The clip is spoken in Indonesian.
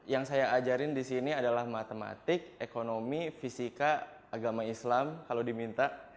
yang saya ajarin di sini adalah matematik ekonomi fisika agama islam kalau diminta